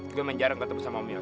gue main jarang ketemu sama om yos